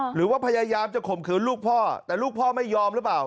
หรือว่าพยายามจะข่มขืนลูกพ่อแต่ลูกพ่อไม่ยอมหรือเปล่า